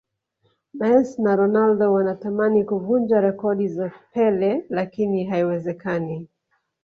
mess na ronaldo wanatamani kuvunja rekodi za pele lakini haiwezekani